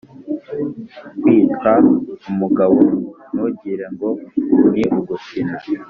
kwitwa umugabo ntugire ngo ni ugukina